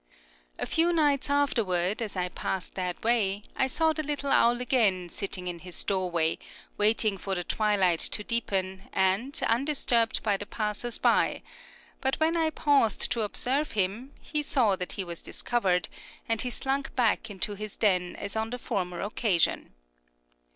A few nights afterward, as I passed that way, I saw the little owl again sitting in his doorway, waiting for the twilight to deepen, and undisturbed by the passers by; but when I paused to observe him, he saw that he was discovered, and he slunk back into his den as on the former occasion.